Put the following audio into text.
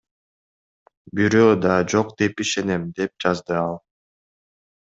Бирөө да жок деп ишенем, — деп жазды ал.